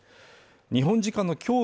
日本時間の今日